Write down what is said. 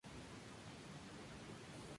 La función de las alfombras es contemplativa.